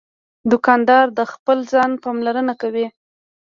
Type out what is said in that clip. دوکاندار د خپل ځان پاملرنه کوي.